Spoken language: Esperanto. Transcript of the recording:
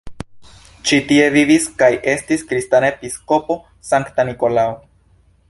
Ĉi-tie vivis kaj estis kristana episkopo Sankta Nikolao.